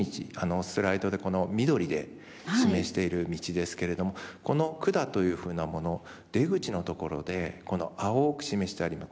スライドでこの緑で示している道ですけれどもこの管というふうなもの出口のところでこの青く示してあります